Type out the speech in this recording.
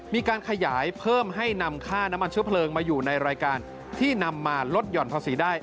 มีการขยายเพิ่มให้นำค่าน้ำมันเชื้อเพลิงมาอยู่ในรายการที่นำมาลดหย่อนภาษีได้